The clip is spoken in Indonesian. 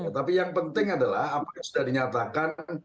tapi yang penting adalah apakah sudah dinyatakan oleh wali kota solo